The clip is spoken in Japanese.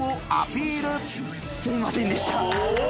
すいませんでした。